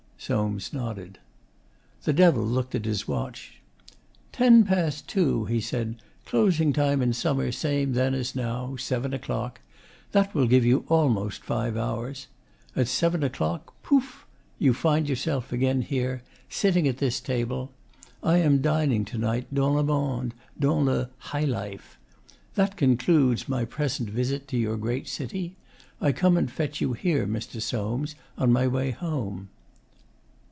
Soames nodded. The Devil looked at his watch. 'Ten past two,' he said. 'Closing time in summer same then as now: seven o'clock. That will give you almost five hours. At seven o'clock pouf! you find yourself again here, sitting at this table. I am dining to night dans le monde dans le higlif. That concludes my present visit to your great city. I come and fetch you here, Mr. Soames, on my way home.